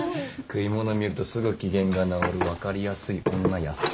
食いもの見るとすぐ機嫌が直る分かりやすい女ヤッサ。